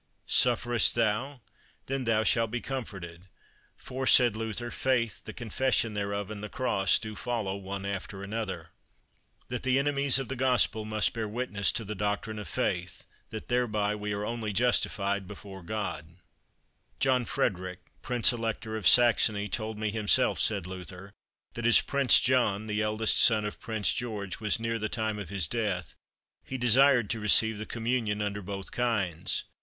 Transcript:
Sufferest thou? then thou shalt be comforted. For, said Luther, faith, the confession thereof, and the cross do follow one after another. That the Enemies of the Gospel must bear Witness to the Doctrine of Faith, that thereby we only are justified before God. John Frederick, Prince Elector of Saxony, told me himself, said Luther, that as Prince John, the eldest son of Prince George, was near the time of his death, he desired to receive the communion under both kinds.